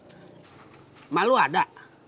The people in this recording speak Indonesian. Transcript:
cak emak lo ada